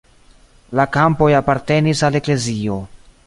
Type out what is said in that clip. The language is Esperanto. La kampoj apartenis al eklezio.